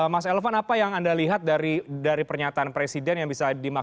mas elvan apa yang anda lihat dari pernyataan presiden yang bisa dimakan